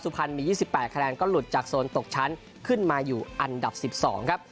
สุพรรณมียี่สิบแปดคะแดนก็หลุดจากโซนตกชั้นขึ้นมาอยู่อันดับสิบสองครับ